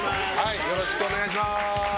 よろしくお願いします。